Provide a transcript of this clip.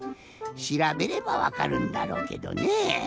しらべればわかるんだろうけどねえ。